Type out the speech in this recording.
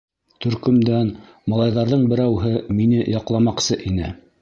— Төркөмдән малайҙарҙың берәүһе мине яҡламаҡсы ине.